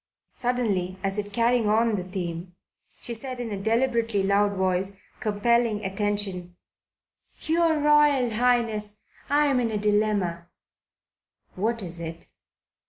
Suddenly, as if carrying on the theme, she said in a deliberately loud voice, compelling attention: "Your Royal Highness, I am in a dilemma." "What is it?"